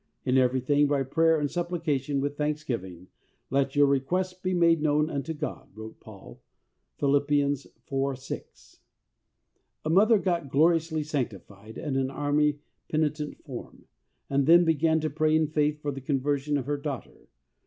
' In everything by prayer and supplication HOLINESS AND PRAYER 91 with thanksgiving let your requests be made known unto God,' wrote Paul (Phil. iv. 6), A mother got gloriously sanctified at an Army penitent form, and then began to pray in faith for the conversion of her daughter.